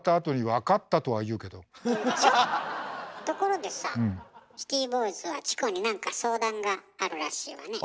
ところでさシティボーイズはチコに何か相談があるらしいわね。